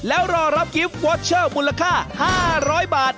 แล้วรอรับกิฟต์วอเชอร์มูลค่า๕๐๐บาท